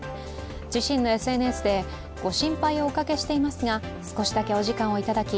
自身のＳＮＳで、ご心配をおかけしていますが少しだけお時間をいただき